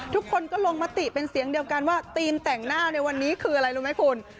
ทุกคนก็ลงมติเป็นเสียงเดียวกันว่าธีมแต่งหน้าในวันนี้คืออะไรรู้ไหมคุณ